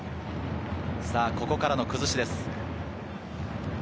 ここからの崩しです。